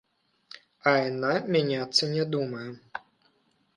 А яна мяняцца не думае.